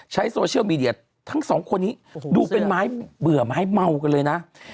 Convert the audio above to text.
ใช้โซเชียลมีเดียทั้งสองคนนี้ดูเป็นไม้เบื่อไม้เมากันเลยนะ